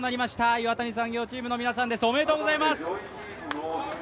岩谷産業チームの皆さんです、おめでとうございます。